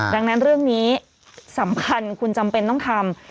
ดังนั้นเรื่องนี้สำคัญคุณจำเป็นต้องทำ